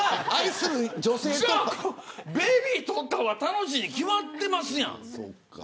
ベビーとおった方が楽しいに決まってますやん。